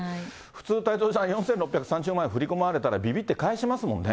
普通、太蔵ちゃん、４６３０万円振り込まれたら、びびって返しますもんね。